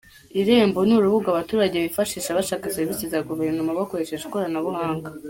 Irembo ni urubuga abaturage bifashisha bashaka serivisi za Guverinoma bakoresheje ikoranabuhanga.